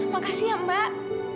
makasih ya mbak